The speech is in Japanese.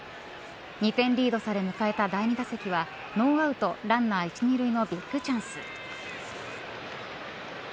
２点リードされ迎えた第２打席はノーアウトランナー１、２塁のビックチャンス。